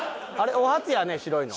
お初やね白いの。